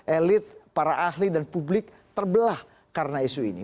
elit para ahli dan publik terbelah karena isu ini